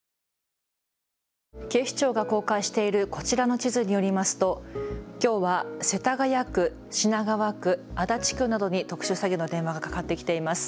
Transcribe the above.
警視庁が公開しているこちらの地図によりますときょうは世田谷区、品川区、足立区などに特殊詐欺の電話がかかってきています。